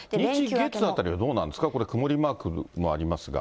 日、月あたりはどうなんですか、これ、曇りマークもありますが。